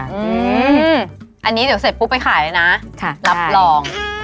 อันนี้เดี๋ยวเสร็จปุ๊บไปขายนะรับรอง